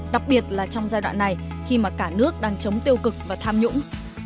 đặc biệt là trong giai đoạn này khi mà cả nước đang chống tiêu cực và tham nhũng